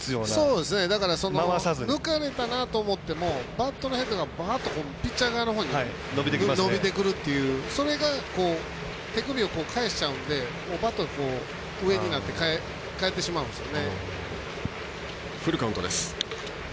抜かれたなと思ったら変化がピッチャー側に伸びてくるというそれが、手首を返しちゃうんでバットが上になって返ってしまうんですよね。